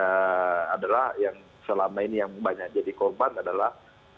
yang adalah yang selama ini yang banyak jadi korban adalah